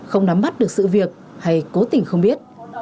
không nắm bắt được sự việc hay cố tình không biết